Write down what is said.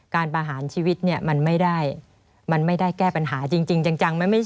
การประหารชีวิตมันไม่ได้แก้ปัญหาจริงจัง